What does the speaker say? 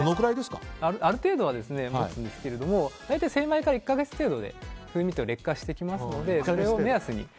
ある程度は持つんですが大体、精米から１か月程度で風味が劣化してきますのでそれを目安に。